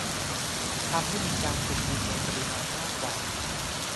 ทำให้มีการขุดดินในปริมาณมากกว่า